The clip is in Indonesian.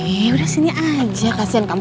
eh udah sini aja kasihan kamu